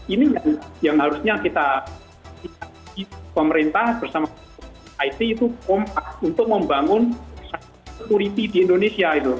ini yang harusnya kita pemerintah bersama it itu untuk membangun security di indonesia